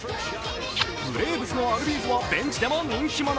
ブレーブスのアルビーズはベンチでも人気者。